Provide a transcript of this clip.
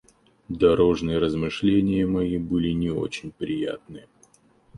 Дорожные размышления мои были не очень приятны.